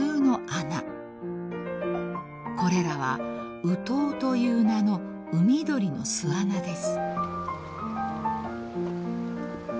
［これらはウトウという名の海鳥の巣穴です］